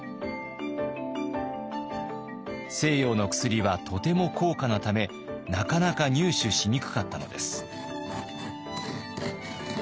西洋の薬はとても高価なためなかなか入手しにくかったのです。